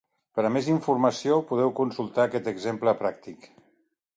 Per a més informació, podeu consultar aquest exemple pràctic.